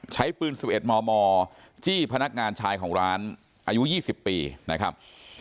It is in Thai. ใช้ปืน๑๑มมจี้พนักงานชายของร้านอายุ๒๐ปีนะครับ